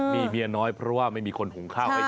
มีเมียน้อยเพราะว่าไม่มีคนหุงข้าวให้